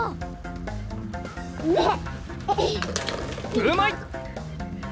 うまい！